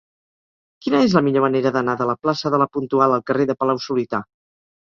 Quina és la millor manera d'anar de la plaça de La Puntual al carrer de Palau-solità?